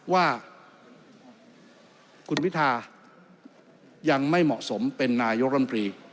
ว่าคุณพิทายังไม่เหมาะสมเป็นนายกรมตรี